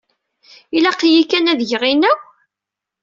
Ilaq-iyi kan ad d-geɣ inaw?